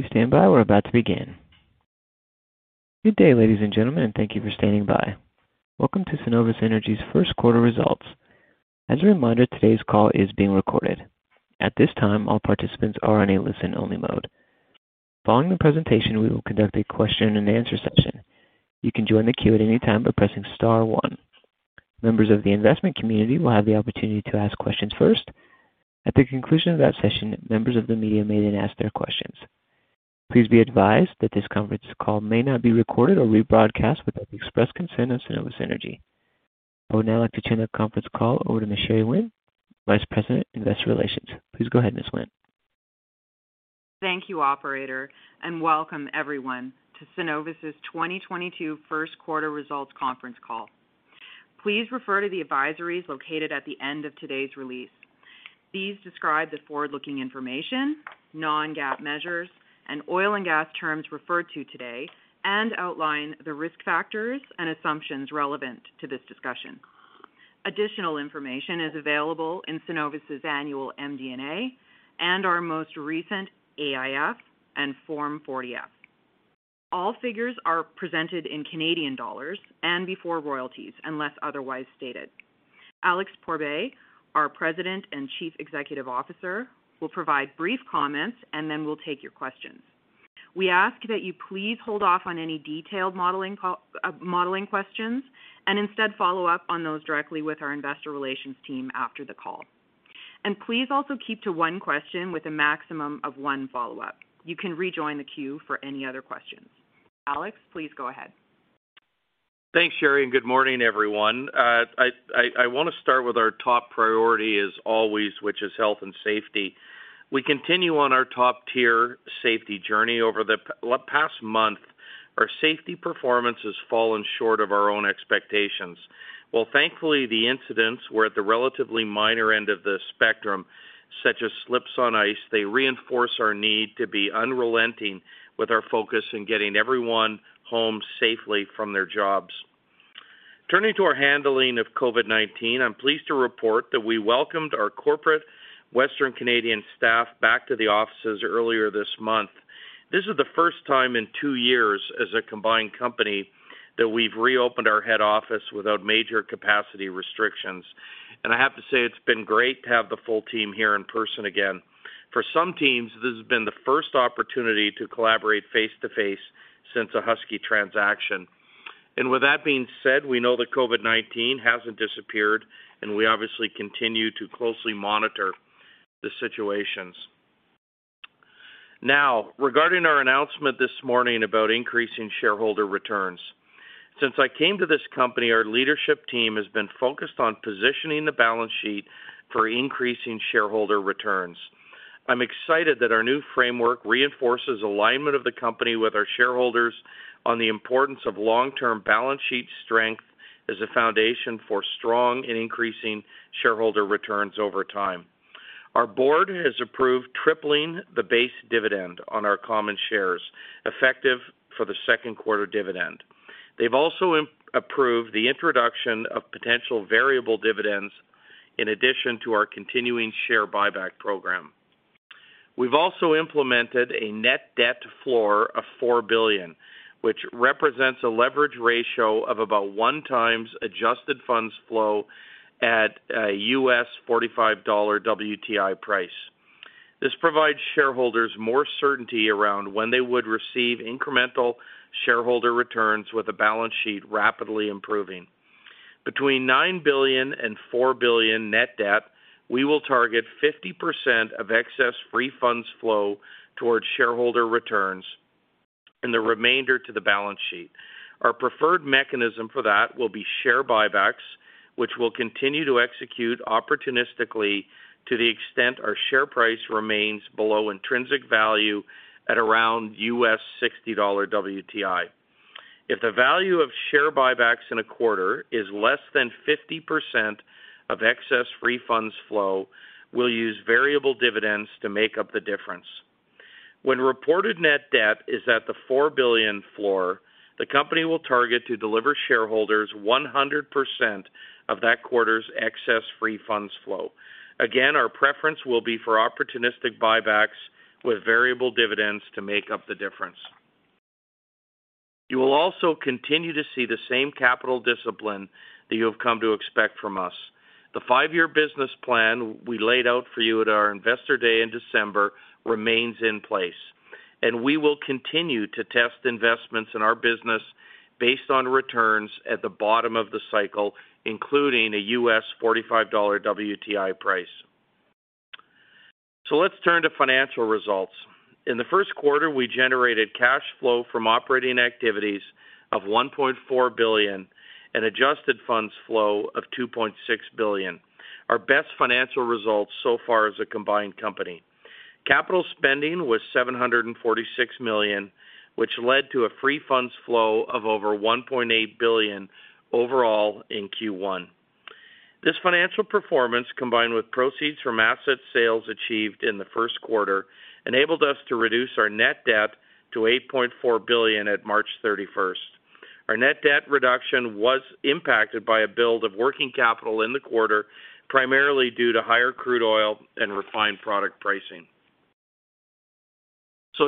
Please stand by. We're about to begin. Good day, ladies and gentlemen, and thank you for standing by. Welcome to Cenovus Energy's First Quarter Results. As a reminder, today's call is being recorded. At this time, all participants are in a listen-only mode. Following the presentation, we will conduct a question-and-answer session. You can join the queue at any time by pressing star one. Members of the investment community will have the opportunity to ask questions first. At the conclusion of that session, members of the media may then ask their questions. Please be advised that this conference call may not be recorded or rebroadcast without the express consent of Cenovus Energy. I would now like to turn the conference call over to Sherry Wendt, Vice President, Investor Relations. Please go ahead, Ms. Wendt. Thank you, operator, and welcome everyone to Cenovus's 2022 First Quarter Results Conference Call. Please refer to the advisories located at the end of today's release. These describe the forward-looking information, non-GAAP measures, and oil and gas terms referred to today, and outline the risk factors and assumptions relevant to this discussion. Additional information is available in Cenovus's annual MD&A and our most recent AIF and Form 40-F. All figures are presented in Canadian dollars and before royalties unless otherwise stated. Alex Pourbaix, our President and Chief Executive Officer, will provide brief comments and then we'll take your questions. We ask that you please hold off on any detailed modeling questions and instead follow up on those directly with our investor relations team after the call. Please also keep to one question with a maximum of one follow-up. You can rejoin the queue for any other questions. Alex, please go ahead. Thanks, Sherry, and good morning, everyone. I want to start with our top priority as always, which is health and safety. We continue on our top-tier safety journey. Over the past month, our safety performance has fallen short of our own expectations. While thankfully, the incidents were at the relatively minor end of the spectrum, such as slips on ice, they reinforce our need to be unrelenting with our focus in getting everyone home safely from their jobs. Turning to our handling of COVID-19, I'm pleased to report that we welcomed our corporate Western Canadian staff back to the offices earlier this month. This is the first time in two years as a combined company that we've reopened our head office without major capacity restrictions. I have to say it's been great to have the full team here in person again. For some teams, this has been the first opportunity to collaborate face-to-face since the Husky transaction. With that being said, we know that COVID-19 hasn't disappeared, and we obviously continue to closely monitor the situations. Now, regarding our announcement this morning about increasing shareholder returns. Since I came to this company, our leadership team has been focused on positioning the balance sheet for increasing shareholder returns. I'm excited that our new framework reinforces alignment of the company with our shareholders on the importance of long-term balance sheet strength as a foundation for strong and increasing shareholder returns over time. Our board has approved tripling the base dividend on our common shares effective for the second quarter dividend. They've also approved the introduction of potential variable dividends in addition to our continuing share buyback program. We've also implemented a net debt floor of 4 billion, which represents a leverage ratio of about 1x adjusted funds flow at a $45 WTI price. This provides shareholders more certainty around when they would receive incremental shareholder returns with a balance sheet rapidly improving. Between 9 billion and 4 billion net debt, we will target 50% of excess free funds flow towards shareholder returns and the remainder to the balance sheet. Our preferred mechanism for that will be share buybacks, which we'll continue to execute opportunistically to the extent our share price remains below intrinsic value at around $60 WTI. If the value of share buybacks in a quarter is less than 50% of excess free funds flow, we'll use variable dividends to make up the difference. When reported net debt is at the 4 billion floor, the company will target to deliver shareholders 100% of that quarter's excess free funds flow. Again, our preference will be for opportunistic buybacks with variable dividends to make up the difference. You will also continue to see the same capital discipline that you have come to expect from us. The five-year business plan we laid out for you at our Investor Day in December remains in place, and we will continue to test investments in our business based on returns at the bottom of the cycle, including a $45 WTI price. Let's turn to financial results. In the first quarter, we generated cash flow from operating activities of 1.4 billion and adjusted funds flow of 2.6 billion, our best financial results so far as a combined company. Capital spending was 746 million, which led to a free funds flow of over 1.8 billion overall in first quarter. This financial performance, combined with proceeds from asset sales achieved in the first quarter, enabled us to reduce our net debt to 8.4 billion at 31 March 2022. Our net debt reduction was impacted by a build of working capital in the quarter, primarily due to higher crude oil and refined product pricing.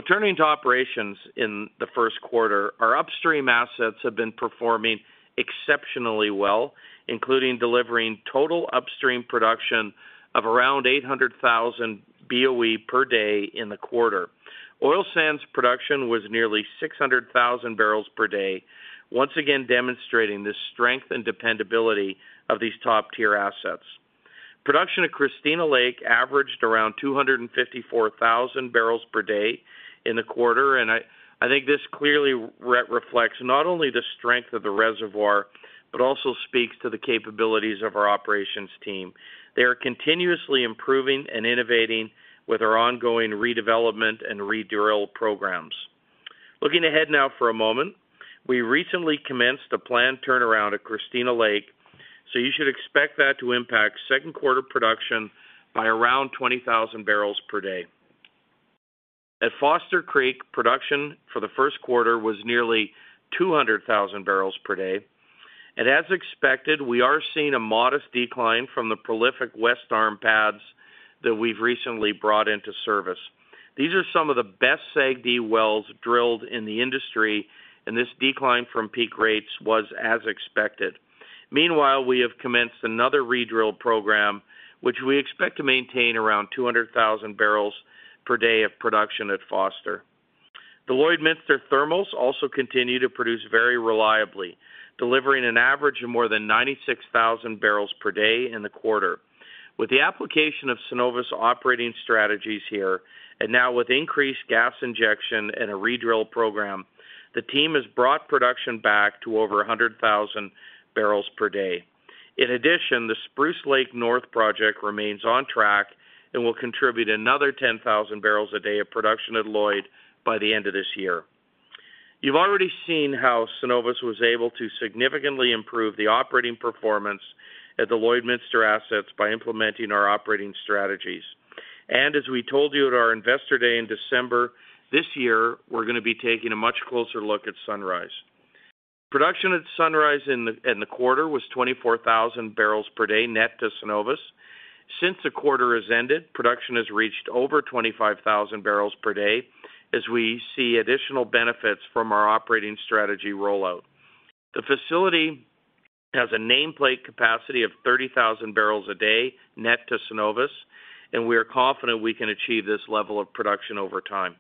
Turning to operations in the first quarter, our upstream assets have been performing exceptionally well, including delivering total upstream production of around 800,000 BOE per day in the quarter. Oil sands production was nearly 600,000 barrels per day, once again demonstrating the strength and dependability of these top-tier assets. Production at Christina Lake averaged around 254,000 barrels per day in the quarter. I think this clearly reflects not only the strength of the reservoir, but also speaks to the capabilities of our operations team. They are continuously improving and innovating with our ongoing redevelopment and redrill programs. Looking ahead now for a moment, we recently commenced a planned turnaround at Christina Lake, so you should expect that to impact second quarter production by around 20,000 barrels per day. At Foster Creek, production for the first quarter was nearly 200,000 barrels per day. As expected, we are seeing a modest decline from the prolific West Arm pads that we've recently brought into service. These are some of the best SAGD wells drilled in the industry, and this decline from peak rates was as expected. Meanwhile, we have commenced another redrill program, which we expect to maintain around 200,000 barrels per day of production at Foster. The Lloydminster Thermals also continue to produce very reliably, delivering an average of more than 96,000 barrels per day in the quarter. With the application of Cenovus operating strategies here, and now with increased gas injection and a redrill program, the team has brought production back to over 100,000 barrels per day. In addition, the Spruce Lake North project remains on track and will contribute another 10,000 barrels a day of production at Lloyd by the end of this year. You've already seen how Cenovus was able to significantly improve the operating performance at the Lloydminster assets by implementing our operating strategies. As we told you at our Investor Day in December, this year, we're gonna be taking a much closer look at Sunrise. Production at Sunrise in the quarter was 24,000 barrels per day net to Cenovus. Since the quarter has ended, production has reached over 25,000 barrels per day as we see additional benefits from our operating strategy rollout. The facility has a nameplate capacity of 30,000 barrels a day net to Cenovus, and we are confident we can achieve this level of production over time.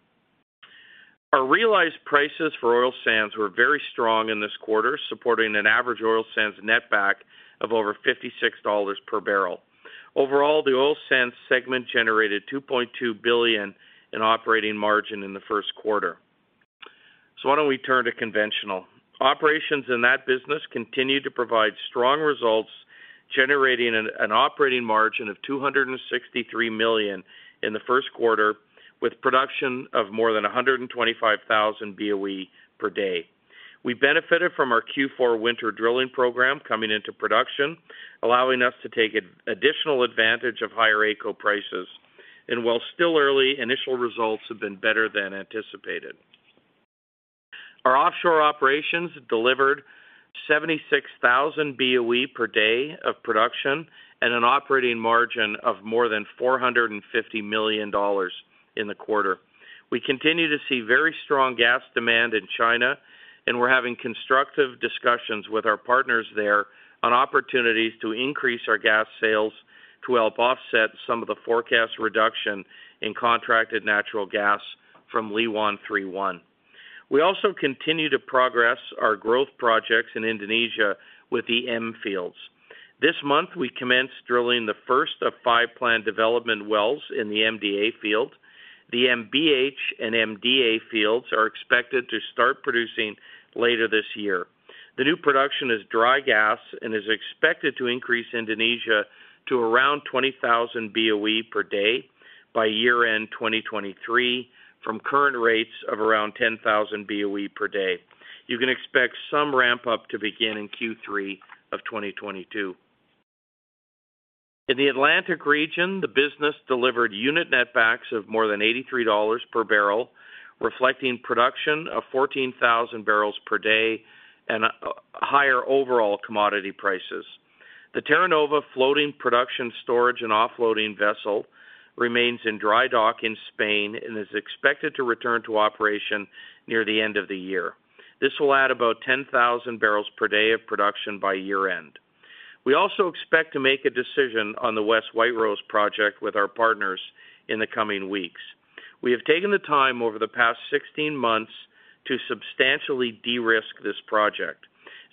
Our realized prices for oil sands were very strong in this quarter, supporting an average oil sands netback of over $56 per barrel. Overall, the oil sands segment generated 2.2 billion in operating margin in the first quarter. Why don't we turn to conventional. Operations in that business continued to provide strong results, generating an operating margin of 263 million in the first quarter, with production of more than 125,000 BOE per day. We benefited from our fourth quarter winter drilling program coming into production, allowing us to take additional advantage of higher AECO prices. While still early, initial results have been better than anticipated. Our offshore operations delivered 76,000 BOE per day of production and an operating margin of more than 450 million dollars in the quarter. We continue to see very strong gas demand in China, and we're having constructive discussions with our partners there on opportunities to increase our gas sales to help offset some of the forecast reduction in contracted natural gas from Liwan 3-1. We also continue to progress our growth projects in Indonesia with the M fields. This month, we commenced drilling the first of five planned development wells in the MDA field. The MBH and MDA fields are expected to start producing later this year. The new production is dry gas and is expected to increase Indonesia to around 20,000 BOE per day by year-end 2023 from current rates of around 10,000 BOE per day. You can expect some ramp-up to begin in third quarter of 2022. In the Atlantic region, the business delivered unit netbacks of more than $83 per barrel, reflecting production of 14,000 barrels per day and higher overall commodity prices. The Terra Nova floating production storage and offloading vessel remains in dry dock in Spain and is expected to return to operation near the end of the year. This will add about 10,000 barrels per day of production by year-end. We also expect to make a decision on the West White Rose project with our partners in the coming weeks. We have taken the time over the past 16 months to substantially de-risk this project.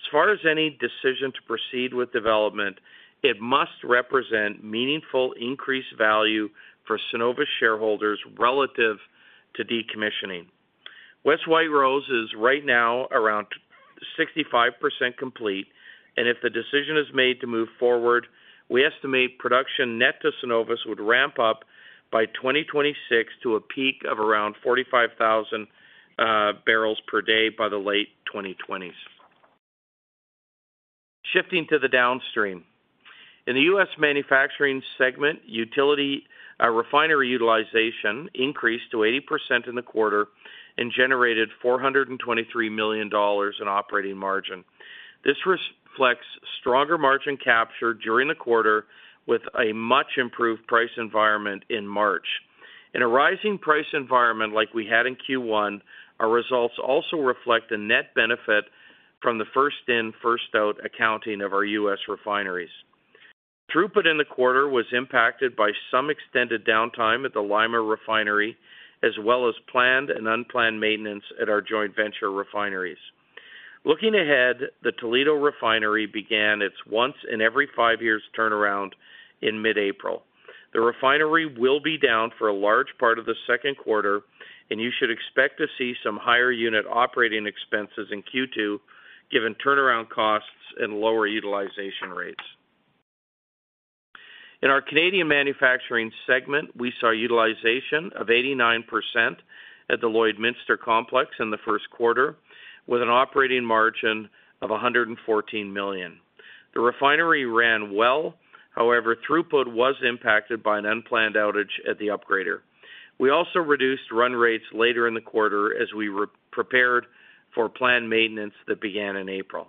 As far as any decision to proceed with development, it must represent meaningful increased value for Cenovus shareholders relative to decommissioning. West White Rose is right now around 65% complete, and if the decision is made to move forward, we estimate production net to Cenovus would ramp up by 2026 to a peak of around 45,000 barrels per day by the late 2020s. Shifting to the downstream. In the US refining segment, refinery utilization increased to 80% in the quarter and generated $423 million in operating margin. This reflects stronger margin capture during the quarter with a much improved price environment in March. In a rising price environment like we had in first quarter, our results also reflect a net benefit from the first-in, first-out accounting of our US refineries. Throughput in the quarter was impacted by some extended downtime at the Lima Refinery, as well as planned and unplanned maintenance at our joint venture refineries. Looking ahead, the Toledo Refinery began its once in every five years turnaround in mid-April. The refinery will be down for a large part of the second quarter, and you should expect to see some higher unit operating expenses in second quarter, given turnaround costs and lower utilization rates. In our Canadian manufacturing segment, we saw utilization of 89% at the Lloydminster complex in the first quarter, with an operating margin of 114 million. The refinery ran well. However, throughput was impacted by an unplanned outage at the upgrader. We also reduced run rates later in the quarter as we prepared for planned maintenance that began in April.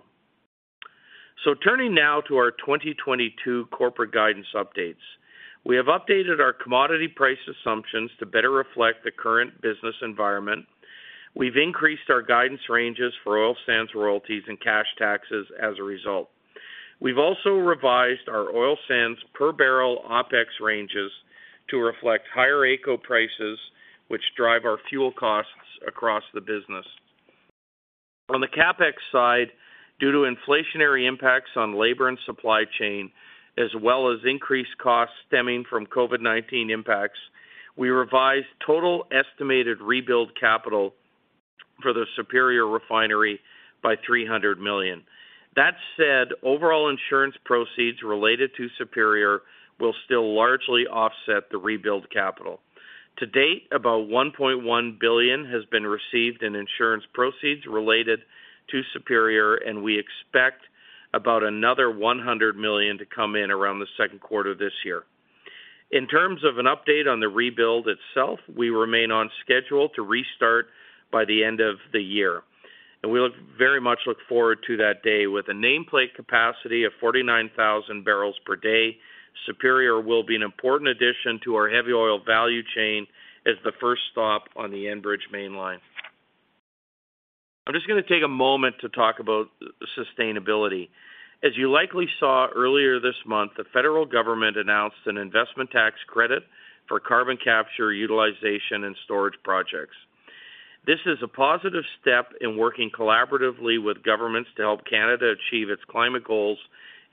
Turning now to our 2022 corporate guidance updates. We have updated our commodity price assumptions to better reflect the current business environment. We've increased our guidance ranges for oil sands royalties and cash taxes as a result. We've also revised our oil sands per barrel OpEx ranges to reflect higher AECO prices, which drive our fuel costs across the business. On the CapEx side, due to inflationary impacts on labor and supply chain, as well as increased costs stemming from COVID-19 impacts, we revised total estimated rebuild capital for the Superior Refinery by 300 million. That said, overall insurance proceeds related to Superior will still largely offset the rebuild capital. To date, about 1.1 billion has been received in insurance proceeds related to Superior, and we expect about another 100 million to come in around the second quarter of this year. In terms of an update on the rebuild itself, we remain on schedule to restart by the end of the year, and we look very much forward to that day. With a nameplate capacity of 49,000 barrels per day, Superior will be an important addition to our heavy oil value chain as the first stop on the Enbridge Mainline. I'm just gonna take a moment to talk about sustainability. As you likely saw earlier this month, the federal government announced an investment tax credit for carbon capture, utilization, and storage projects. This is a positive step in working collaboratively with governments to help Canada achieve its climate goals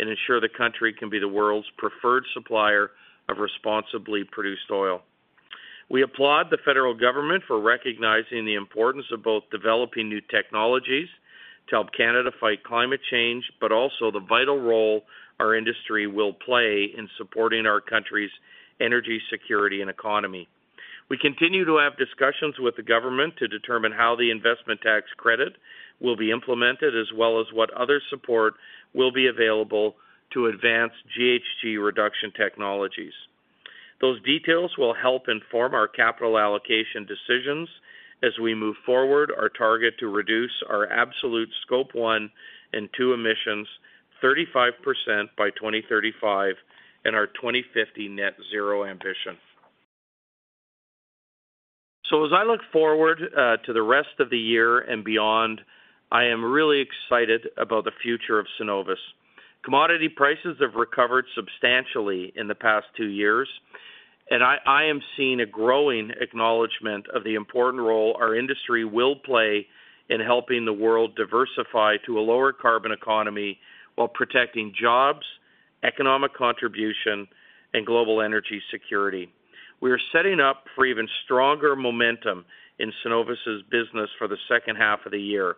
and ensure the country can be the world's preferred supplier of responsibly produced oil. We applaud the federal government for recognizing the importance of both developing new technologies to help Canada fight climate change, but also the vital role our industry will play in supporting our country's energy security and economy. We continue to have discussions with the government to determine how the investment tax credit will be implemented, as well as what other support will be available to advance GHG reduction technologies. Those details will help inform our capital allocation decisions as we move forward our target to reduce our absolute Scope 1 and 2 emissions 35% by 2035 and our 2050 net zero ambition. As I look forward to the rest of the year and beyond, I am really excited about the future of Cenovus. Commodity prices have recovered substantially in the past two years, and I am seeing a growing acknowledgment of the important role our industry will play in helping the world diversify to a lower carbon economy while protecting jobs, economic contribution, and global energy security. We are setting up for even stronger momentum in Cenovus' business for the second half of the year.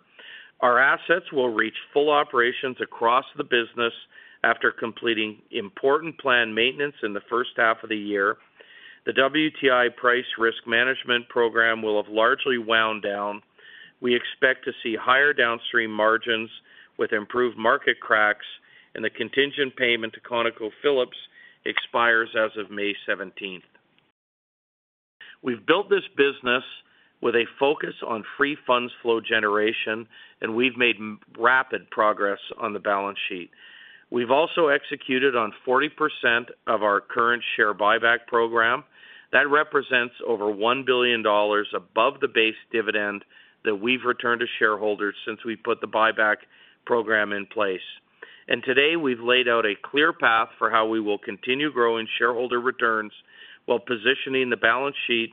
Our assets will reach full operations across the business after completing important planned maintenance in the first half of the year. The WTI price risk management program will have largely wound down. We expect to see higher downstream margins with improved market cracks, and the contingent payment to ConocoPhillips expires as of May seventeenth. We've built this business with a focus on free funds flow generation, and we've made rapid progress on the balance sheet. We've also executed on 40% of our current share buyback program. That represents over 1 billion dollars above the base dividend that we've returned to shareholders since we put the buyback program in place. Today, we've laid out a clear path for how we will continue growing shareholder returns while positioning the balance sheet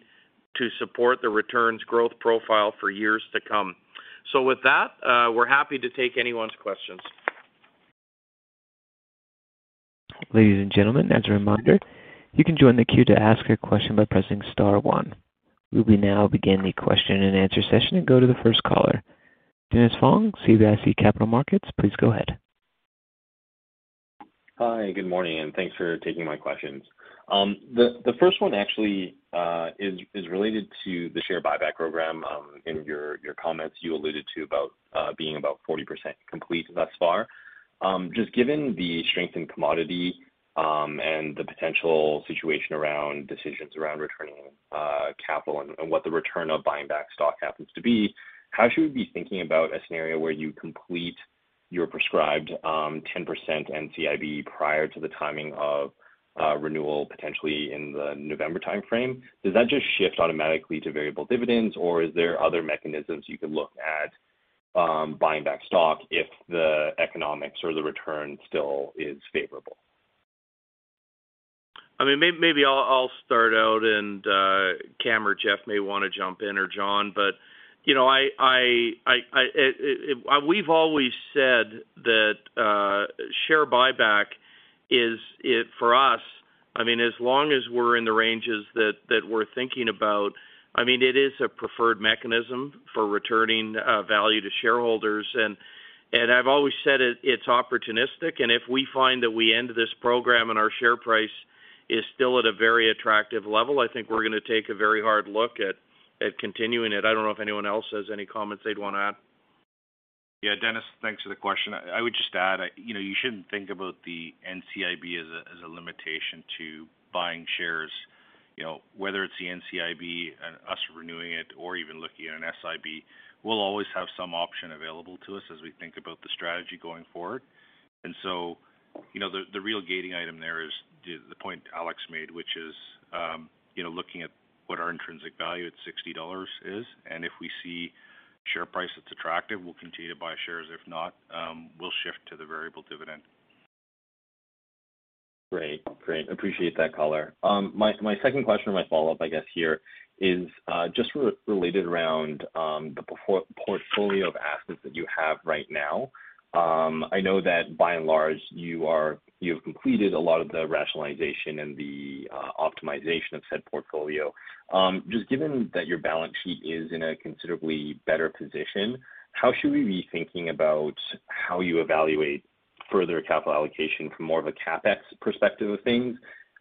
to support the returns growth profile for years to come. With that, we're happy to take anyone's questions. Ladies and gentlemen, as a reminder, you can join the queue to ask a question by pressing star one. We will now begin the question-and-answer session and go to the first caller. Dennis Fong, CIBC Capital Markets, please go ahead. Hi, good morning, and thanks for taking my questions. The first one actually is related to the share buyback program. In your comments, you alluded to about being about 40% complete thus far. Just given the strength in commodity and the potential situation around decisions around returning capital and what the return of buying back stock happens to be. How should we be thinking about a scenario where you complete your prescribed 10% NCIB prior to the timing of renewal potentially in the November timeframe? Does that just shift automatically to variable dividends, or is there other mechanisms you could look at buying back stock if the economics or the return still is favorable? I mean, maybe I'll start out and, Kam or Jeff may want to jump in or Jon. You know, we've always said that share buyback is it for us, I mean, as long as we're in the ranges that we're thinking about, I mean, it is a preferred mechanism for returning value to shareholders. I've always said it's opportunistic. If we find that we end this program and our share price is still at a very attractive level, I think we're gonna take a very hard look at continuing it. I don't know if anyone else has any comments, they'd want to add. Yeah, Dennis, thanks for the question. I would just add, you know, you shouldn't think about the NCIB as a limitation to buying shares, you know. Whether it's the NCIB and us renewing it or even looking at an SIB, we'll always have some option available to us as we think about the strategy going forward. You know, the real gating item there is the point Alex made, which is, you know, looking at what our intrinsic value at $60 is, and if we see share price that's attractive, we'll continue to buy shares. If not, we'll shift to the variable dividend. Great. Appreciate that color. My second question or my follow-up, I guess here is, just related around, the portfolio of assets that you have right now. I know that by and large, you have completed a lot of the rationalization and the optimization of said portfolio. Just given that your balance sheet is in a considerably better position, how should we be thinking about how you evaluate further capital allocation from more of a CapEx perspective of things?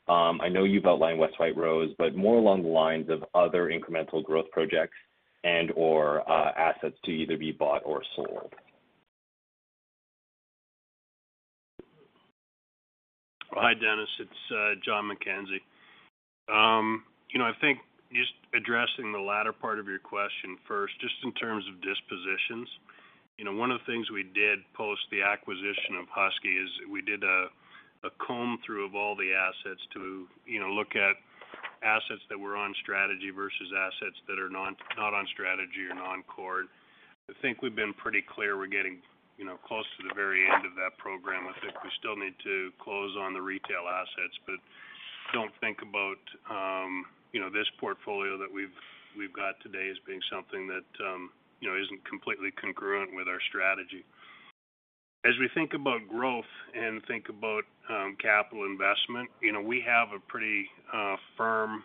I know you've outlined West White Rose, but more along the lines of other incremental growth projects and/or, assets to either be bought or sold. Hi, Dennis. It's Jon McKenzie. You know, I think just addressing the latter part of your question first, just in terms of dispositions, you know, one of the things we did post the acquisition of Husky is we did a comb through of all the assets to, you know, look at assets that were on strategy versus assets that are not on strategy or non-core. I think we've been pretty clear we're getting, you know, close to the very end of that program. I think we still need to close on the retail assets, but don't think about, you know, this portfolio that we've got today as being something that, you know, isn't completely congruent with our strategy. As we think about growth and think about capital investment, you know, we have a pretty firm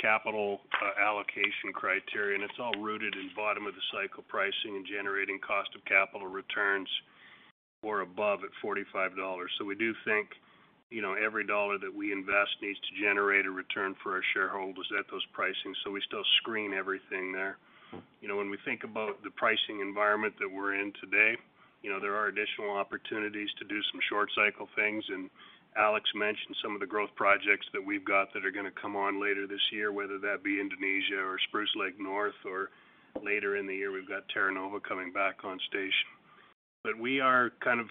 capital allocation criteria, and it's all rooted in bottom of the cycle pricing and generating cost of capital returns or above at $45. We do think, you know, every dollar that we invest needs to generate a return for our shareholders at those pricing. We still screen everything there. You know, when we think about the pricing environment that we're in today, you know, there are additional opportunities to do some short cycle things. Alex mentioned some of the growth projects that we've got that are gonna come on later this year, whether that be Indonesia or Spruce Lake North or later in the year, we've got Terra Nova coming back on station. We are kind of,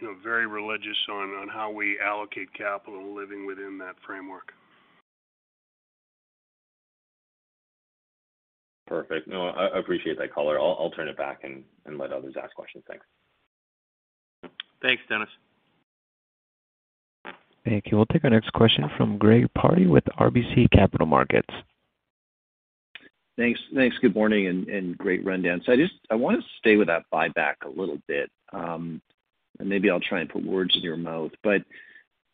you know, very religious on how we allocate capital living within that framework. Perfect. No, I appreciate that color. I'll turn it back and let others ask questions. Thanks. Thanks, Dennis. Thank you. We'll take our next question from Greg Pardy with RBC Capital Markets. Thanks. Good morning and great rundown. I want to stay with that buyback a little bit. Maybe I'll try and put words in your mouth, but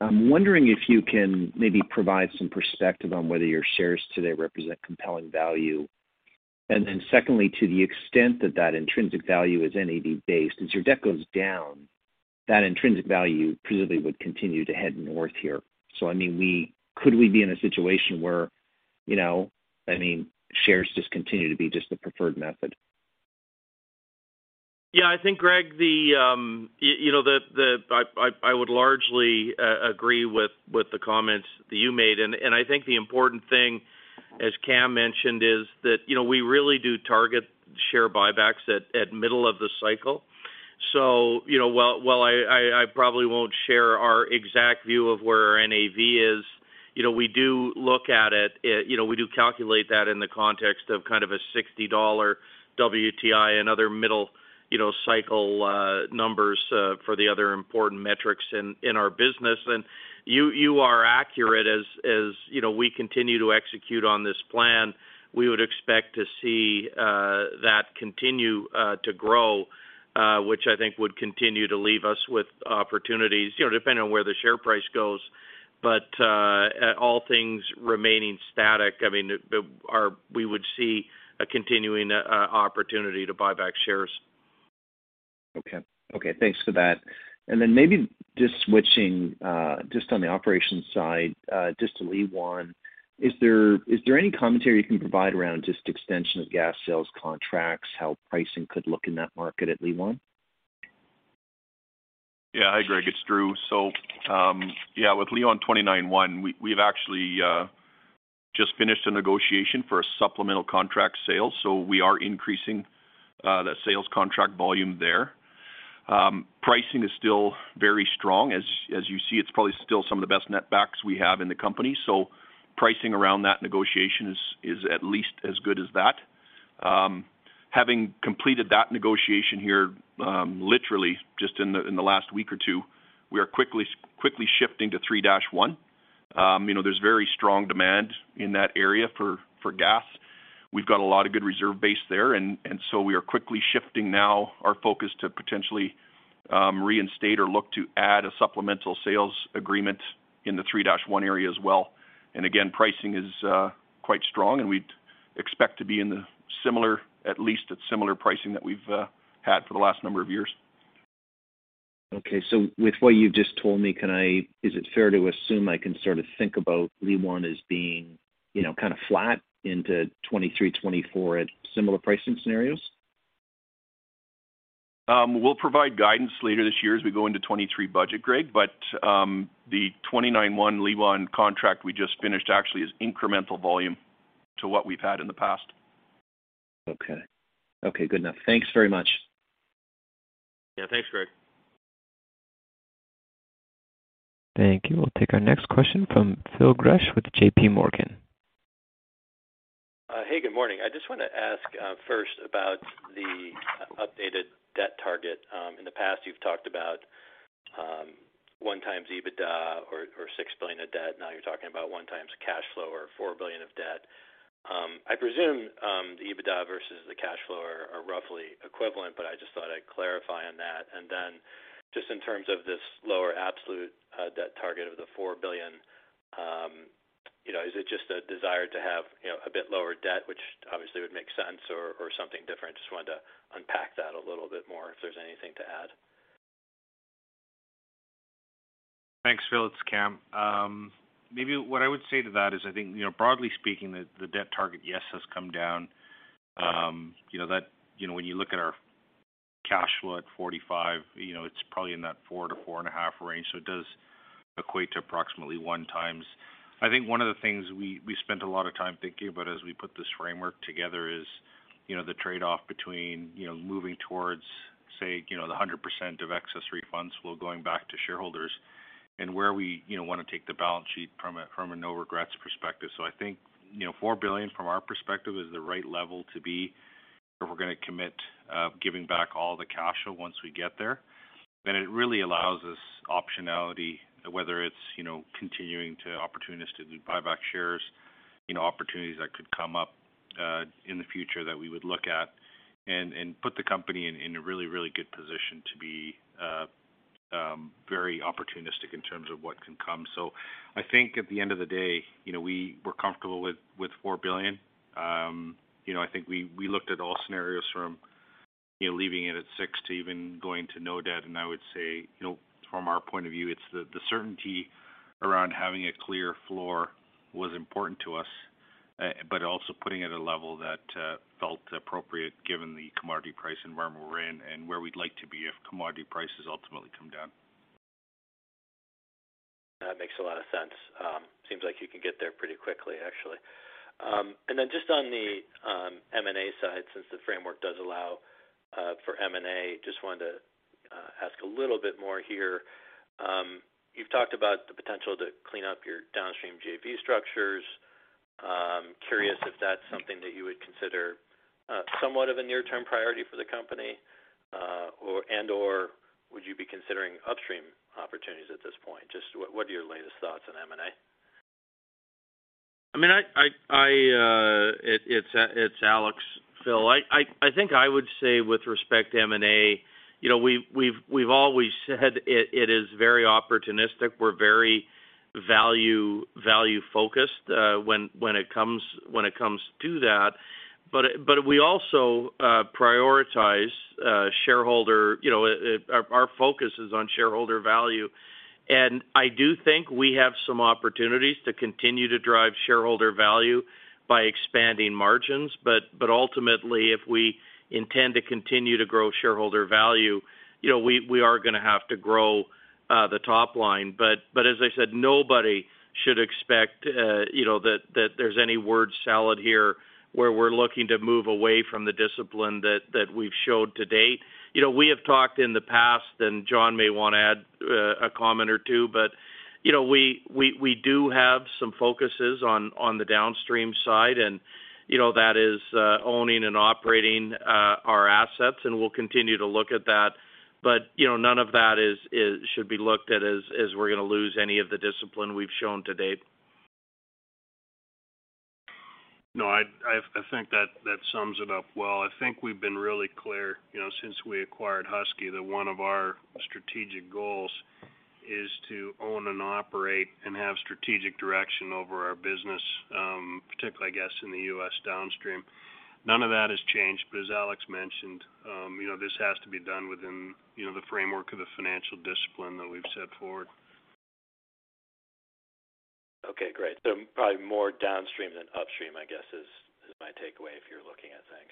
I'm wondering if you can maybe provide some perspective on whether your shares today represent compelling value. Then secondly, to the extent that that intrinsic value is NAV based, as your debt goes down, that intrinsic value presumably would continue to head north here. Could we be in a situation where, you know, I mean, shares just continue to be just the preferred method? Yeah, I think, Greg, you know, I would largely agree with the comments that you made. I think the important thing, as Kam mentioned, is that, you know, we really do target share buybacks at middle of the cycle. You know, while I probably won't share our exact view of where our NAV is, you know, we do look at it. You know, we do calculate that in the context of kind of a $60 WTI and other middle, you know, cycle numbers for the other important metrics in our business. You are accurate as you know, we continue to execute on this plan. We would expect to see that continue to grow, which I think would continue to leave us with opportunities, you know, depending on where the share price goes. At all things remaining static, I mean, we would see a continuing opportunity to buy back shares. Okay. Okay, thanks for that. Maybe just switching, just on the operations side, just to Liwan. Is there any commentary you can provide around just extension of gas sales contracts, how pricing could look in that market at Liwan? Yeah. Hi, Greg, it's Drew. With Liwan 29-1, we've actually just finished a negotiation for a supplemental contract sale, so we are increasing that sales contract volume there. Pricing is still very strong. As you see, it's probably still some of the best netbacks we have in the company. Pricing around that negotiation is at least as good as that. Having completed that negotiation here, literally just in the last week or two, we are quickly shifting to 3-1. You know, there's very strong demand in that area for gas. We've got a lot of good reserve base there, and so we are quickly shifting now our focus to potentially reinstate or look to add a supplemental sales agreement in the 3-1 area as well. Again, pricing is quite strong, and we'd expect to be in the similar, at least at similar pricing that we've had for the last number of years. Okay. With what you've just told me, is it fair to assume I can sort of think about Liwan as being, you know, kind of flat into 2023, 2024 at similar pricing scenarios? We'll provide guidance later this year as we go into 2023 budget, Greg, but the 29-1 Liwan contract we just finished actually is incremental volume to what we've had in the past. Okay. Okay, good enough. Thanks very much. Yeah, thanks, Greg. Thank you. We'll take our next question from Phil Gresh with JPMorgan. Hey, good morning. I just want to ask first about the updated debt target. In the past, you've talked about 1x EBITDA or 6 billion of debt. Now you're talking about 1x cash flow or 4 billion of debt. I presume the EBITDA versus the cash flow are roughly equivalent, but I just thought I'd clarify on that. Then just in terms of this lower absolute debt target of the 4 billion, you know, is it just a desire to have, you know, a bit lower debt, which obviously would make sense or something different? Just wanted to unpack that a little bit more if there's anything to add. Thanks, Phil. It's Kam. Maybe what I would say to that is I think, you know, broadly speaking, the debt target, yes, has come down. You know, when you look at our cash flow at $45, you know, it's probably in that 4 to 4.5 range, so it does equate to approximately 1x. I think one of the things we spent a lot of time thinking about as we put this framework together is, you know, the trade-off between, you know, moving towards, say, you know, the 100% of excess free cash flow going back to shareholders and where we, you know, want to take the balance sheet from a no regrets perspective. I think, you know, 4 billion from our perspective is the right level to be where we're gonna commit, giving back all the cash once we get there. It really allows us optionality, whether it's, you know, continuing to opportunistically buy back shares, you know, opportunities that could come up in the future that we would look at and put the company in a really good position to be very opportunistic in terms of what can come. I think at the end of the day, you know, we're comfortable with 4 billion. You know, I think we looked at all scenarios from, you know, leaving it at 6 billion to even going to no debt. I would say, you know, from our point of view, it's the certainty around having a clear floor was important to us, but also putting it at a level that felt appropriate given the commodity pricing where we're in and where we'd like to be if commodity prices ultimately come down. That makes a lot of sense. Seems like you can get there pretty quickly, actually. Just on the M&A side, since the framework does allow for M&A, just wanted to ask a little bit more here. You've talked about the potential to clean up your downstream JV structures. Curious if that's something that you would consider somewhat of a near-term priority for the company, or and/or would you be considering upstream opportunities at this point? Just what are your latest thoughts on M&A? I mean, it's Alex. Phil, I think I would say with respect to M&A, you know, we've always said it is very opportunistic. We're very value-focused, when it comes to that. We also prioritize shareholder, you know, our focus is on shareholder value. I do think we have some opportunities to continue to drive shareholder value by expanding margins. Ultimately, if we intend to continue to grow shareholder value, you know, we are gonna have to grow the top line. As I said, nobody should expect, you know, that there's any word salad here, where we're looking to move away from the discipline that we've showed to date. You know, we have talked in the past, and Jon may want to add a comment or two, but you know, we do have some focuses on the downstream side and, you know, that is owning and operating our assets, and we'll continue to look at that. You know, none of that should be looked at as we're gonna lose any of the discipline we've shown to date. No, I think that sums it up well. I think we've been really clear, you know, since we acquired Husky, that one of our strategic goals is to own and operate and have strategic direction over our business, particularly, I guess, in the US downstream. None of that has changed. As Alex mentioned, you know, this has to be done within, you know, the framework of the financial discipline that we've set forward. Okay, great. Probably more downstream than upstream, I guess, is my takeaway if you're looking at things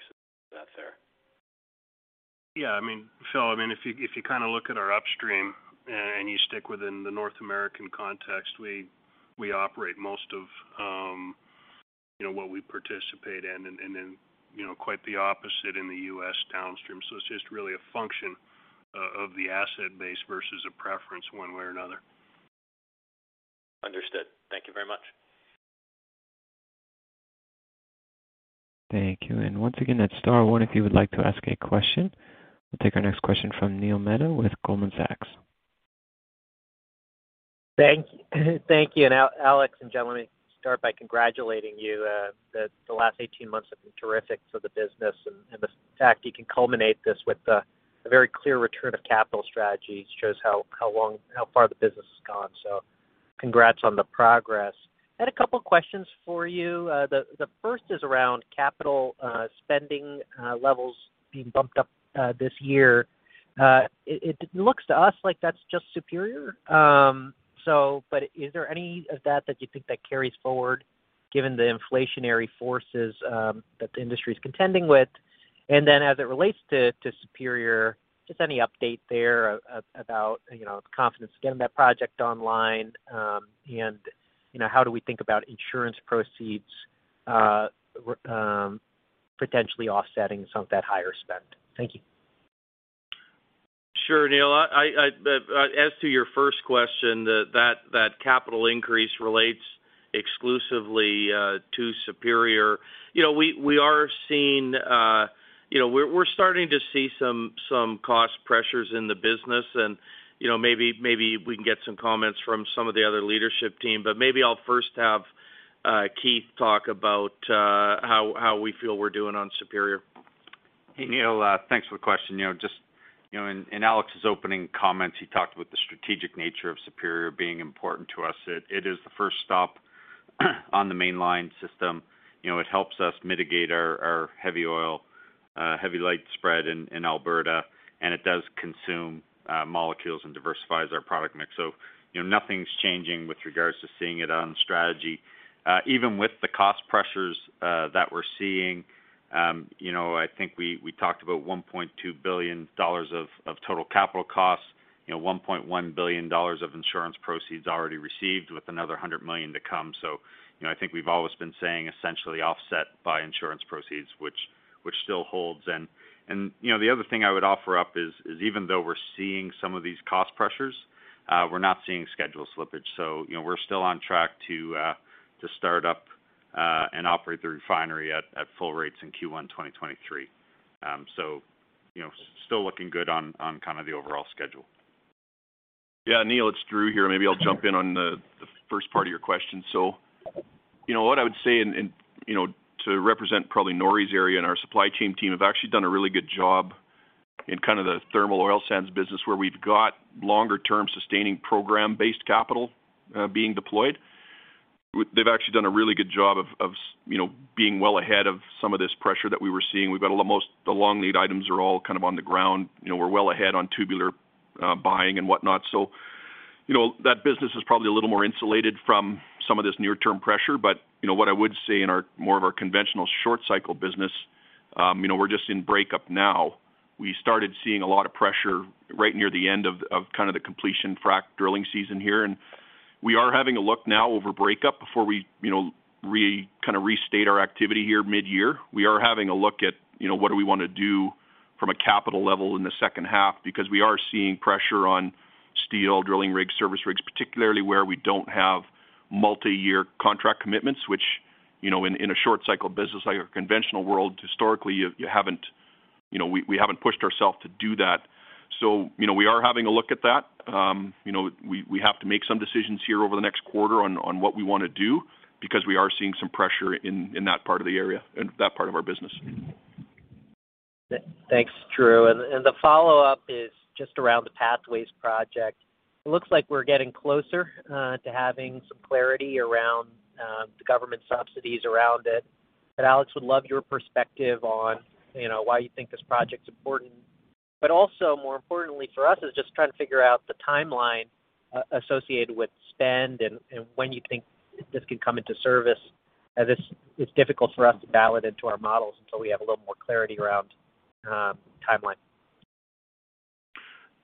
that's there. Yeah. I mean, Phil, if you kind of look at our upstream and you stick within the North American context, we operate most of, you know, what we participate in and then, you know, quite the opposite in the US downstream. It's just really a function of the asset base versus a preference one way or another. Understood. Thank you very much. Thank you. Once again, that's star one if you would like to ask a question. We'll take our next question from Neil Mehta with Goldman Sachs. Thank you. Thank you. Alex and gentlemen, start by congratulating you that the last 18 months have been terrific for the business. The fact you can culminate this with a very clear return of capital strategy shows how far the business has gone. Congrats on the progress. I had a couple of questions for you. The first is around capital spending levels being bumped up this year. It looks to us like that's just Superior. But is there any of that that you think that carries forward given the inflationary forces that the industry is contending with? Then as it relates to Superior, just any update there about, you know, confidence getting that project online. You know, how do we think about insurance proceeds, potentially offsetting some of that higher spend? Thank you. Sure, Neil. As to your first question, that capital increase relates exclusively to Superior. You know, we are seeing, you know, we're starting to see some cost pressures in the business and, you know, maybe we can get some comments from some of the other leadership team, but maybe I'll first have Keith talk about how we feel we're doing on Superior. Hey, Neil, thanks for the question. You know, just, you know, in Alex's opening comments, he talked about the strategic nature of Superior being important to us. It is the first stop on the mainline system. You know, it helps us mitigate our heavy oil heavy-light spread in Alberta, and it does consume molecules and diversifies our product mix. You know, nothing's changing with regards to seeing it on strategy. Even with the cost pressures that we're seeing, you know, I think we talked about 1.2 billion dollars of total capital costs, you know, 1.1 billion dollars of insurance proceeds already received with another 100 million to come. You know, I think we've always been saying essentially offset by insurance proceeds, which still holds. You know, the other thing I would offer up is even though we're seeing some of these cost pressures, we're not seeing schedule slippage. You know, we're still on track to start up and operate the refinery at full rates in first quarter 2023. You know, still looking good on kind of the overall schedule. Yeah, Neil, it's Drew here. Maybe I'll jump in on the first part of your question. You know what I would say and you know, to represent probably Norrie's area and our supply chain team, have actually done a really good job in kind of the thermal oil sands business where we've got longer term sustaining program-based capital being deployed. They've actually done a really good job of you know, being well ahead of some of this pressure that we were seeing. We've got almost the long lead items are all kind of on the ground. You know, we're well ahead on tubular buying and whatnot. You know, that business is probably a little more insulated from some of this near-term pressure. You know, what I would say in our more of our conventional short-cycle business, you know, we're just in breakup now. We started seeing a lot of pressure right near the end of kind of the completion frack drilling season here. We are having a look now over breakup before we, you know, restate our activity here mid-year. We are having a look at, you know, what do we want to do from a capital level in the second half because we are seeing pressure on steel, drilling rigs, service rigs, particularly where we don't have multi-year contract commitments, which, you know, in a short-cycle business like a conventional world, historically, you haven't, you know, we haven't pushed ourselves to do that. You know, we are having a look at that. You know, we have to make some decisions here over the next quarter on what we want to do because we are seeing some pressure in that part of our business. Thanks, Drew. The follow-up is just around the Pathways project. It looks like we're getting closer to having some clarity around the government subsidies around it. Alex would love your perspective on, you know, why you think this project's important. Also, more importantly for us is just trying to figure out the timeline associated with spend and when you think this could come into service, as it's difficult for us to bake it into our models until we have a little more clarity around timeline.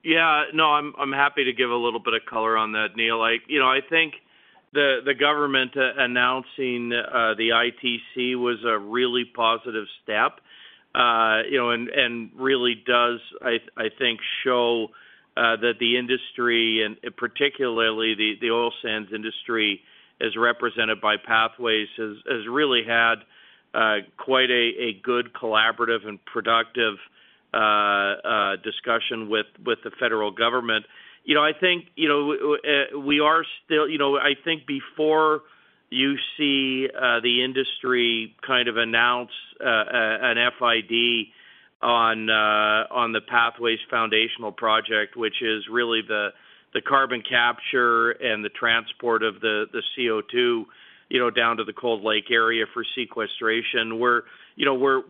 Yeah. No, I'm happy to give a little bit of color on that, Neil. You know, I think the government announcing the ITC was a really positive step, you know, and really does, I think, show that the industry and particularly the oil sands industry, as represented by Pathways, has really had quite a good collaborative and productive discussion with the federal government. You know, I think before you see the industry kind of announce an FID on the Pathways Foundational Project, which is really the carbon capture and the transport of the CO2, you know, down to the Cold Lake area for sequestration. We're, you know,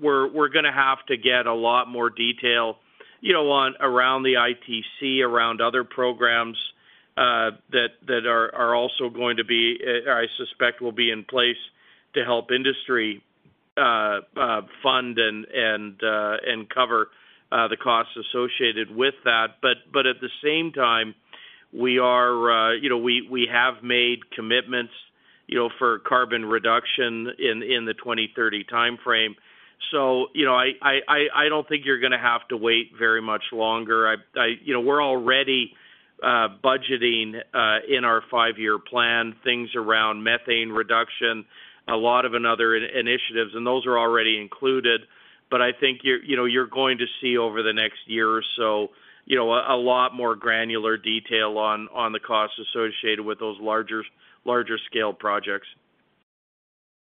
gonna have to get a lot more detail, you know, on around the ITC, around other programs that are also going to be, I suspect will be in place to help industry fund and cover the costs associated with that. At the same time, we are, you know, we have made commitments, you know, for carbon reduction in the 2030 timeframe. You know, I don't think you're gonna have to wait very much longer. You know, we're already budgeting in our five-year plan things around methane reduction, a lot of other initiatives, and those are already included. I think you're; you know, you're going to see over the next year or so, you know, a lot more granular detail on the costs associated with those larger scale projects.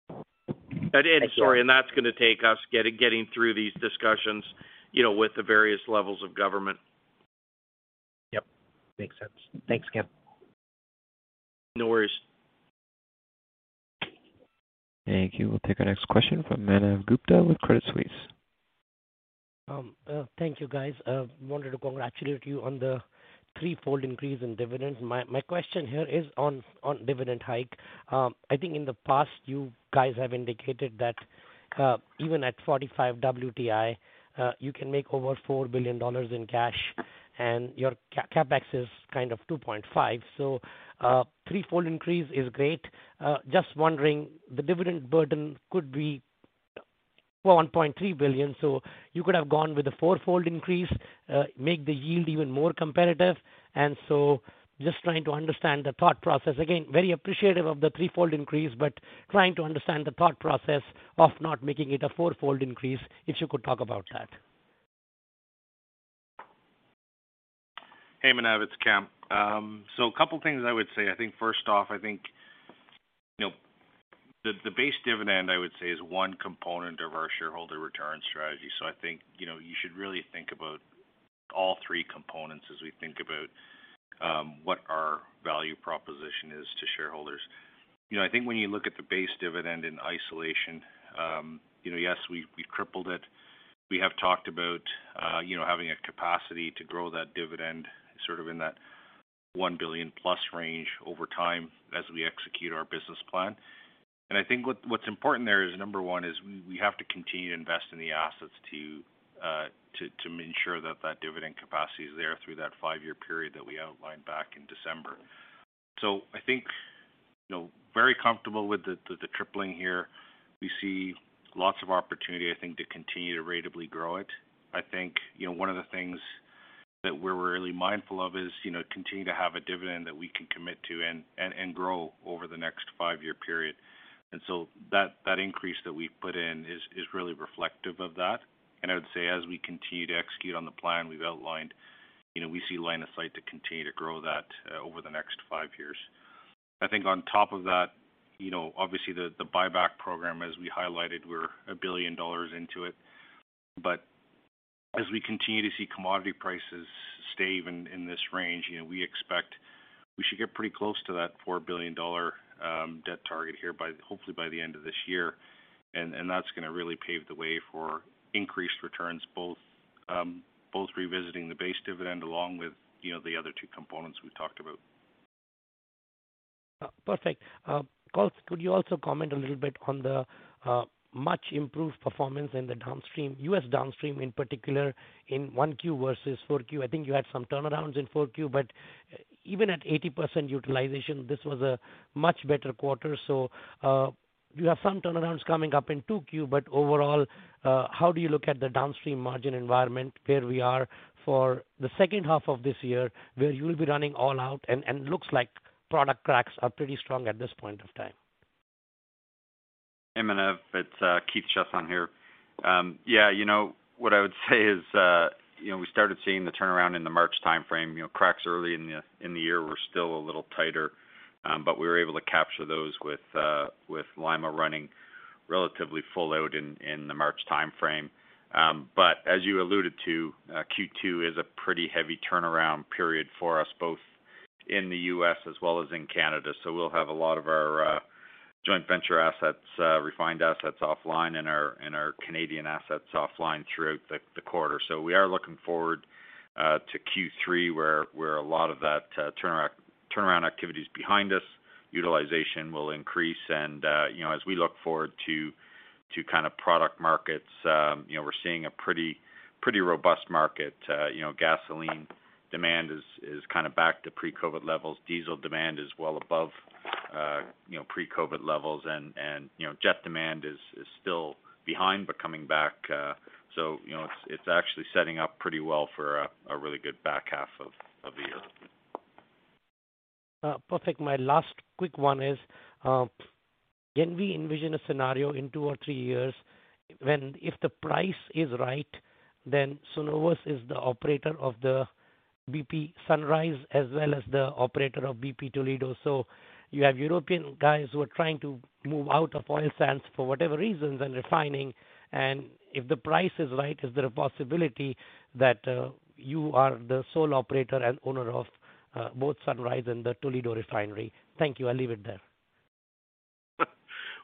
Thanks, Alex. That's gonna take us getting through these discussions, you know, with the various levels of government. Yep. Makes sense. Thanks, Kam. No worries. Thank you. We'll take our next question from Manav Gupta with Credit Suisse. Thank you guys. Wanted to congratulate you on the threefold increase in dividends. My question here is on dividend hike. I think in the past, you guys have indicated that even at 45 WTI, you can make over $4 billion in cash, and your CapEx is kind of $2.5 billion. Threefold increase is great. Just wondering, the dividend burden could be $1.3 billion. You could have gone with a fourfold increase, make the yield even more competitive. Just trying to understand the thought process. Again, very appreciative of the threefold increase, but trying to understand the thought process of not making it a fourfold increase, if you could talk about that. Hey, Manav, it's Kam. A couple of things I would say. I think first off, I think you know the base dividend I would say is one component of our shareholder return strategy. I think you know you should really think about all three components as we think about what our value proposition is to shareholders. You know, I think when you look at the base dividend in isolation, yes, we tripled it. We have talked about you know having a capacity to grow that dividend sort of in that 1 billion+ range over time as we execute our business plan. I think what's important there is, number one, we have to continue to invest in the assets to ensure that dividend capacity is there through that five-year period that we outlined back in December. I think, you know, very comfortable with the tripling here. We see lots of opportunity, I think, to continue to ratably grow it. I think, you know, one of the things that we're really mindful of is, you know, continue to have a dividend that we can commit to and grow over the next five-year period. That increase that we put in is really reflective of that. I would say, as we continue to execute on the plan we've outlined, you know, we see line of sight to continue to grow that over the next five years. I think on top of that, you know, obviously, the buyback program, as we highlighted, we're 1 billion dollars into it. As we continue to see commodity prices stay in this range, you know, we expect we should get pretty close to that 4 billion dollar debt target here by hopefully by the end of this year. That's gonna really pave the way for increased returns, both revisiting the base dividend along with, you know, the other two components we've talked about. Perfect. Could you also comment a little bit on the much improved performance in the downstream, US downstream in particular, in first quarter versus fourth quarter? I think you had some turnarounds in fourth quarter, but even at 80% utilization, this was a much better quarter. You have some turnarounds coming up in second quarter, but overall, how do you look at the downstream margin environment where we are for the second half of this year, where you will be running all out and looks like product cracks are pretty strong at this point of time? Hey Manav, it's Keith Chiasson here. Yeah, you know, what I would say is, you know, we started seeing the turnaround in the March timeframe. You know, cracks early in the year were still a little tighter, but we were able to capture those with Lima running relatively full out in the March timeframe. As you alluded to, second quarter is a pretty heavy turnaround period for us, both in the US as well as in Canada. We'll have a lot of our joint venture assets, refined assets offline and our Canadian assets offline throughout the quarter. We are looking forward to third quarter, where a lot of that turnaround activity is behind us. Utilization will increase, and you know, as we look forward to kind of product markets, you know, we're seeing a pretty robust market. You know, gasoline demand is kind of back to pre-COVID levels. Diesel demand is well above pre-COVID levels, and you know, jet demand is still behind, but coming back, so you know, it's actually setting up pretty well for a really good back half of the year. Perfect. My last quick one is, can we envision a scenario in two or three years when if the price is right, then Cenovus is the operator of the bp Sunrise as well as the operator of bp Toledo. You have European guys who are trying to move out of oil sands for whatever reasons and refining. If the price is right, is there a possibility that you are the sole operator and owner of both Sunrise and the Toledo Refinery? Thank you. I'll leave it there.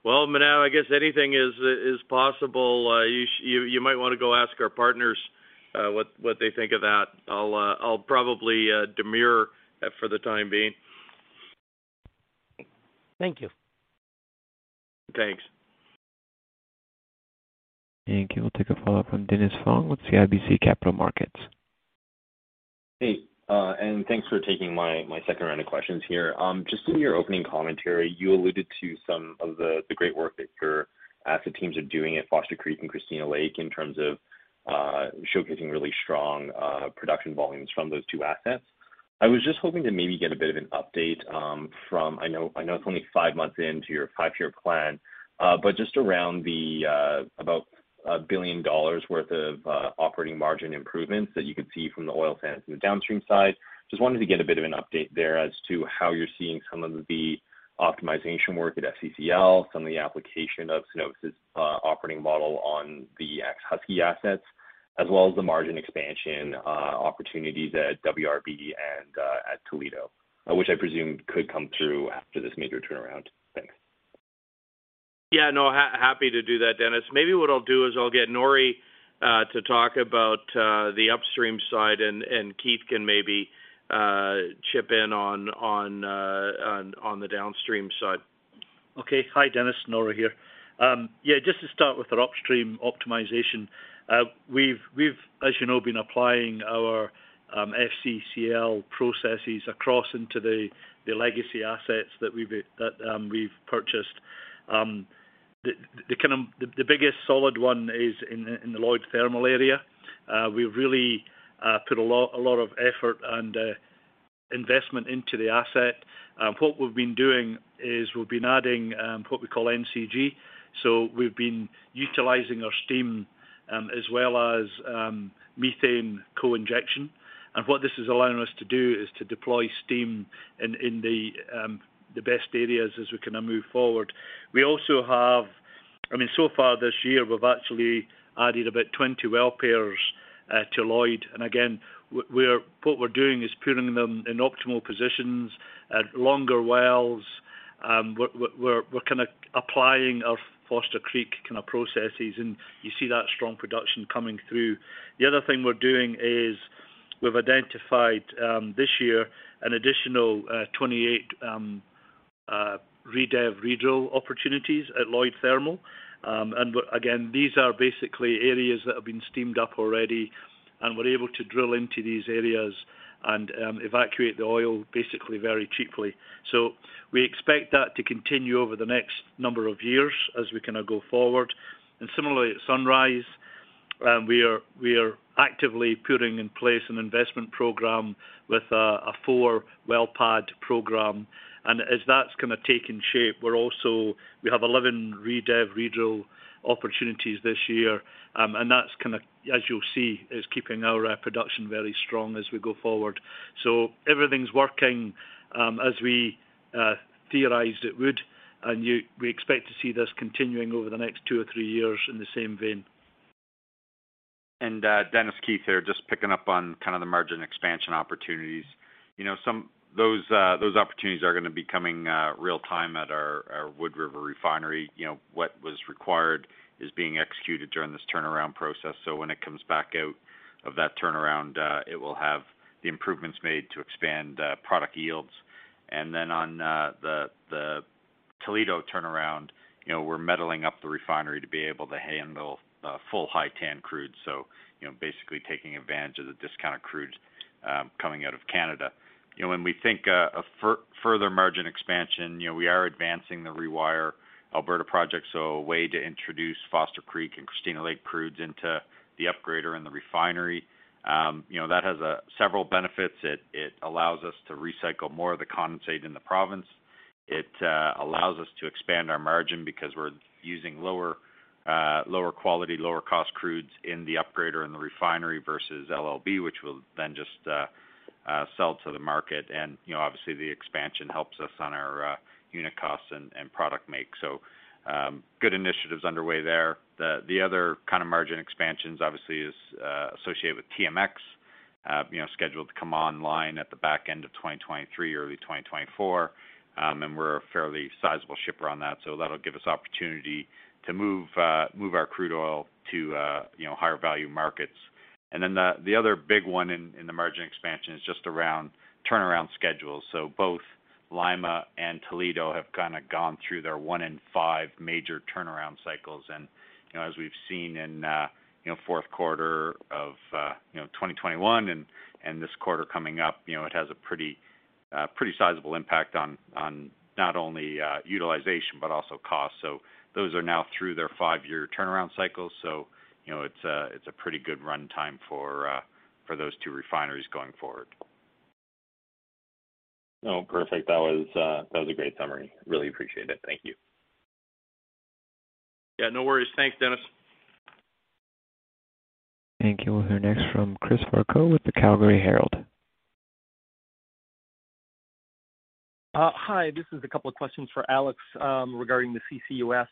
Well, Manav, I guess anything is possible. You might want to go ask our partners what they think of that. I'll probably demur for the time being. Thank you. Thanks. Thank you. We'll take a follow-up from Dennis Fong with CIBC Capital Markets. Hey, thanks for taking my second round of questions here. Just in your opening commentary, you alluded to some of the great work that your asset teams are doing at Foster Creek and Christina Lake in terms of showcasing really strong production volumes from those two assets. I was just hoping to maybe get a bit of an update. I know it's only five months into your five-year plan, but just around the about 1 billion dollars worth of operating margin improvements that you could see from the oil sands and the downstream side. Just wanted to get a bit of an update there as to how you're seeing some of the optimization work at FCCL, some of the application of Cenovus's operating model on the ex-Husky assets, as well as the margin expansion opportunities at WRB and at Toledo, which I presume could come through after this major turnaround. Thanks. Yeah, no, happy to do that, Dennis. Maybe what I'll do is I'll get Norrie to talk about the upstream side and Keith can maybe chip in on the downstream side. Okay. Hi, Dennis. Norrie here. Yeah, just to start with our upstream optimization, we've, as you know, been applying our FCCL processes across into the legacy assets that we've purchased. The biggest solid one is in the Lloyd Thermal area. We really put a lot of effort and investment into the asset. What we've been doing is we've been adding what we call MCG. We've been utilizing our steam as well as methane co-injection. What this is allowing us to do is to deploy steam in the best areas as we kind of move forward. I mean, so far this year, we've actually added about 20 well pairs to Lloyd. Again, what we're doing is putting them in optimal positions at longer wells. We're kind of applying our Foster Creek kind of processes, and you see that strong production coming through. The other thing we're doing is we've identified this year an additional 28 redev redrill opportunities at Lloyd Thermal. Again, these are basically areas that have been steamed up already, and we're able to drill into these areas and evacuate the oil basically very cheaply. We expect that to continue over the next number of years as we kind of go forward. Similarly at Sunrise, we are actively putting in place an investment program with 4-well pad program. As that's kind of taking shape, we have 11 redev redrill opportunities this year. That's kind of, as you'll see, is keeping our production very strong as we go forward. Everything's working as we theorized it would. We expect to see this continuing over the next two or three years in the same vein. Dennis, Keith here, just picking up on kind of the margin expansion opportunities. You know, those opportunities are gonna be coming real time at our Wood River Refinery. You know, what was required is being executed during this turnaround process. When it comes back out of that turnaround, it will have the improvements made to expand product yields. Then on the Toledo turnaround, you know, we're metalling up the refinery to be able to handle full high TAN crude, so you know, basically taking advantage of the discounted crude coming out of Canada. You know, when we think of further margin expansion, you know, we are advancing the Rewire Alberta project, so a way to introduce Foster Creek and Christina Lake crudes into the upgrader and the refinery. You know, that has several benefits. It allows us to recycle more of the condensate in the province. It allows us to expand our margin because we're using lower quality, lower cost crudes in the upgrader, in the refinery versus LLB, which we'll then just sell to the market. You know, obviously the expansion helps us on our unit costs and product make. Good initiatives underway there. The other kind of margin expansions obviously is associated with TMX, you know, scheduled to come online at the back end of 2023, early 2024. We're a fairly sizable shipper on that, so that'll give us opportunity to move our crude oil to, you know, higher value markets. The other big one in the margin expansion is just around turnaround schedules. Both Lima and Toledo have kind of gone through their one in five major turnaround cycles. You know, as we've seen in fourth quarter of 2021 and this quarter coming up, you know, it has a pretty sizable impact on not only utilization but also cost. Those are now through their five-year turnaround cycles, you know, it's a pretty good runtime for those two refineries going forward. Oh, perfect. That was a great summary. Really appreciate it. Thank you. Yeah, no worries. Thanks, Dennis. Thank you. We'll hear next from Chris Varcoe with the Calgary Herald. Hi, this is a couple of questions for Alex regarding the CCUS.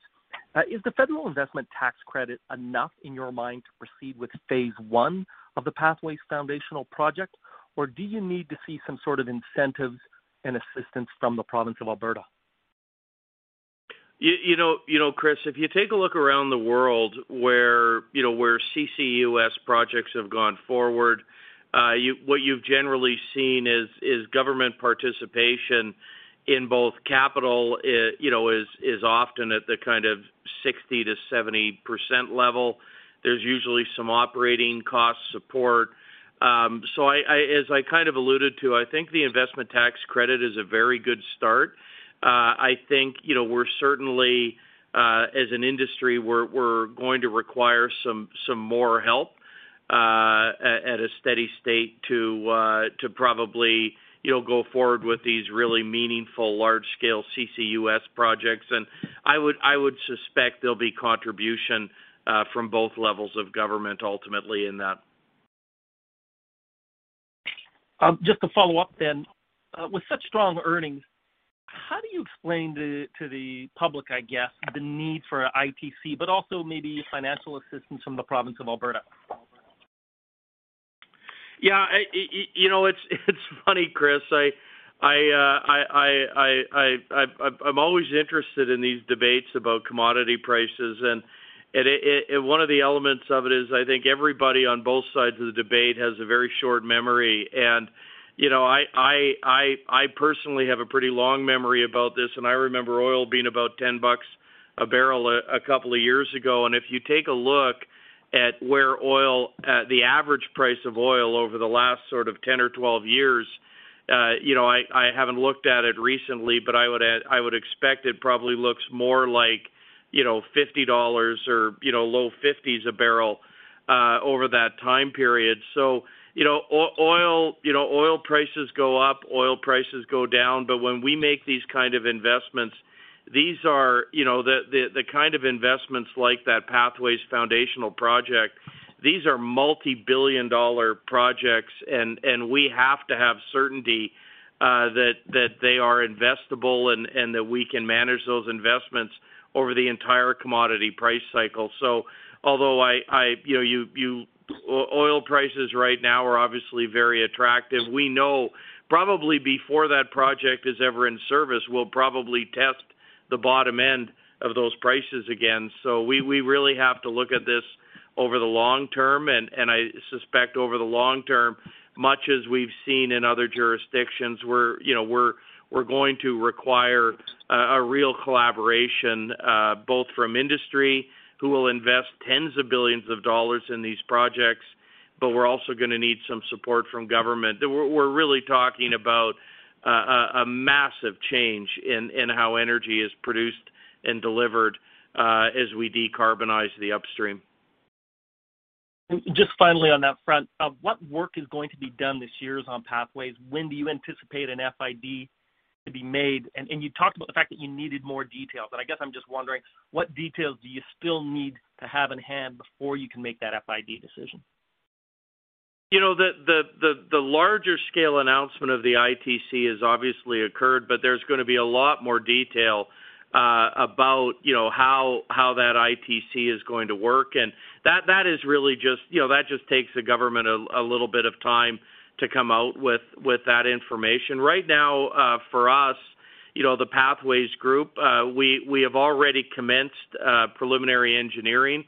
Is the federal investment tax credit enough in your mind to proceed with phase one of the Pathways Foundational Project, or do you need to see some sort of incentives and assistance from the province of Alberta? You know, Chris, if you take a look around the world where CCUS projects have gone forward, what you've generally seen is government participation in both capital is often at the kind of 60% to 70% level. There's usually some operating cost support. As I kind of alluded to, I think the investment tax credit is a very good start. I think we're certainly as an industry going to require some more help at a steady state to probably go forward with these really meaningful large-scale CCUS projects. I would suspect there'll be contribution from both levels of government ultimately in that. Just to follow up, with such strong earnings, how do you explain to the public, I guess, the need for ITC, but also maybe financial assistance from the province of Alberta? Yeah, you know, it's funny, Chris. I'm always interested in these debates about commodity prices. One of the elements of it is I think everybody on both sides of the debate has a very short memory. You know, I personally have a pretty long memory about this, and I remember oil being about $10 a barrel a couple of years ago. If you take a look at the average price of oil over the last sort of 10 or 12 years, you know, I haven't looked at it recently, but I would expect it probably looks more like, you know, $50 or low 50s a barrel over that time period. You know, oil prices go up, oil prices go down. When we make these kind of investments, these are, you know, the kind of investments like that Pathways Foundational Project. These are multi-billion-dollar projects, and we have to have certainty that they are investable and that we can manage those investments over the entire commodity price cycle. Although I, you know, oil prices right now are obviously very attractive. We know probably before that project is ever in service, we'll probably test the bottom end of those prices again. We really have to look at this over the long term. I suspect over the long term, much as we've seen in other jurisdictions, we're, you know, going to require a real collaboration both from industry, who will invest tens of billions CAD in these projects. We're also gonna need some support from government. We're really talking about a massive change in how energy is produced and delivered, as we decarbonize the upstream. Just finally on that front, what work is going to be done this year on Pathways? When do you anticipate an FID to be made? And you talked about the fact that you needed more details, but I guess I'm just wondering what details do you still need to have in hand before you can make that FID decision? You know, the larger scale announcement of the ITC has obviously occurred, but there's gonna be a lot more detail about, you know, how that ITC is going to work. That is really just you know, that just takes the government a little bit of time to come out with that information. Right now, for us, you know, the Pathways Alliance, we have already commenced preliminary engineering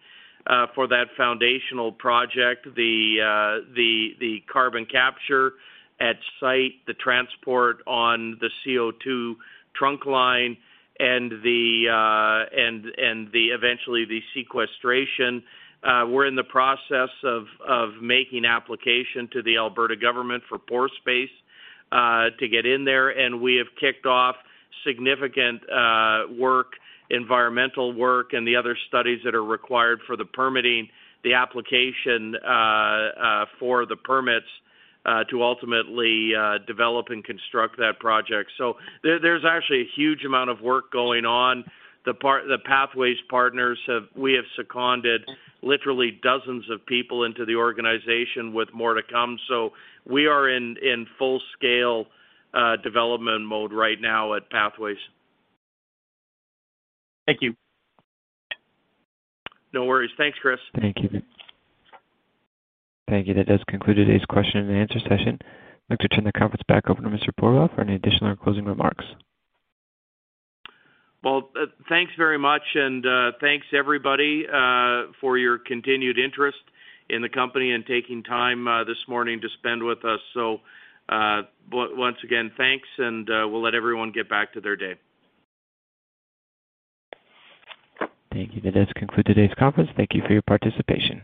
for that foundational project. The carbon capture at site, the transport on the CO2 trunk line and eventually the sequestration. We're in the process of making application to the Alberta government for pore space to get in there. We have kicked off significant environmental work and the other studies that are required for the permitting, the application for the permits to ultimately develop and construct that project. There's actually a huge amount of work going on. The Pathways partners have seconded literally dozens of people into the organization with more to come. We are in full scale development mode right now at Pathways. Thank you. No worries. Thanks, Chris. Thank you. That does conclude today's question-and-answer session. I'd like to turn the conference back over to Mr. Pourbaix for any additional closing remarks. Well, thanks very much, and thanks everybody for your continued interest in the company and taking time this morning to spend with us. Once again, thanks, and we'll let everyone get back to their day. Thank you. That does conclude today's conference. Thank you for your participation.